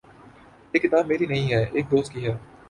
یہ کتاب میری نہیں ہے۔ ایک دوست کی ہے